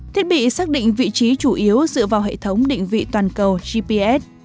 thiết bị xác định vị trí chủ yếu dựa vào hệ thống định vị toàn cầu gps